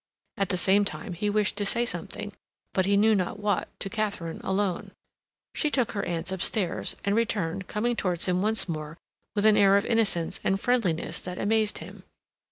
At the same time, he wished to say something, but he knew not what, to Katharine alone. She took her aunts upstairs, and returned, coming towards him once more with an air of innocence and friendliness that amazed him.